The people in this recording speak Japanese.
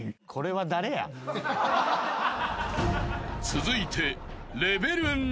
［続いて］